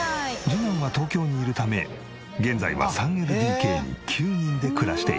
次男は東京にいるため現在は３ＬＤＫに９人で暮らしている。